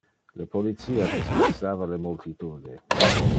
Le policia dispersava le multitude.